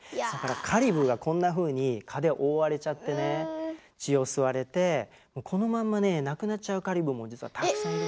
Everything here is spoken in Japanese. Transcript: カリブーがこんなふうに蚊で覆われちゃってね血を吸われてこのまんまね亡くなっちゃうカリブーも実はたくさんいる。